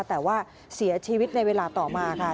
แต่ว่าเสียชีวิตในเวลาต่อมาค่ะ